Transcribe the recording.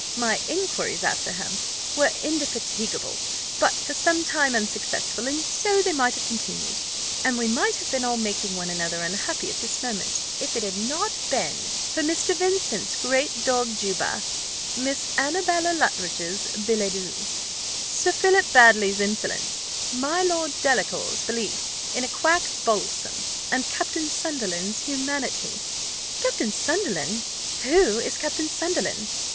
My inquiries after him were indefatigable, but for some time unsuccessful: and so they might have continued, and we might have been all making one another unhappy at this moment, if it had not been for Mr. Vincent's great dog Juba Miss Annabella Luttridge's billet doux Sir Philip Baddely's insolence my Lord Delacour's belief in a quack balsam and Captain Sunderland's humanity." "Captain Sunderland! who is Captain Sunderland?